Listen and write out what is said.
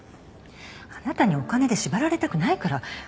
あなたにお金で縛られたくないから働きだしたの。